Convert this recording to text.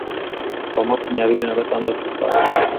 kuwa makumyabiri na gatandatu Ukwakira